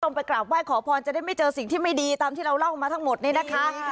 ไปกราบไหว้ขอพรจะได้ไม่เจอสิ่งที่ไม่ดีตามที่เราเล่ามาทั้งหมดนี้นะคะ